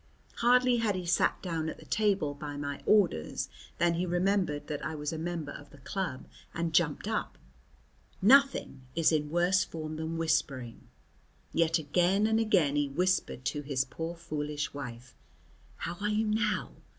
Hardly had he sat down at the table by my orders than he remembered that I was a member of the club and jumped up. Nothing is in worse form than whispering, yet again and again he whispered to his poor, foolish wife, "How are you now?